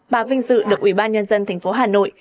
bà vinh dự được ủy ban nhân dân thành phố hà nội